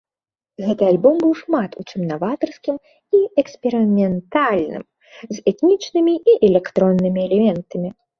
Гэты альбом быў шмат у чым наватарскім і эксперыментальным, з этнічнымі і электроннымі элементамі.